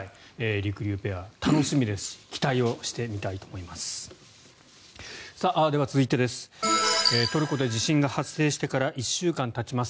りくりゅうペア、楽しみですし期待をして見たいと思います。